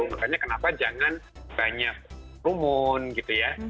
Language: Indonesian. makanya kenapa jangan banyak rumun gitu ya